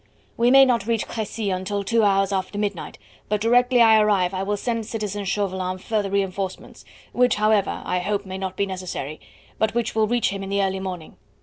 "We may not reach Crecy until two hours after midnight, but directly I arrive I will send citizen Chauvelin further reinforcements, which, however, I hope may not necessary, but which will reach him in the early morning.